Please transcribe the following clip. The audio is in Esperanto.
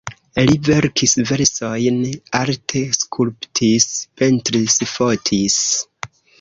Li verkis versojn, arte skulptis, pentris, fotis.